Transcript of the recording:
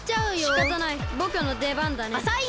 しかたないぼくのでばんだね。おそいよ！